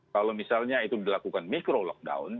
kalau misalnya itu dilakukan micro lockdown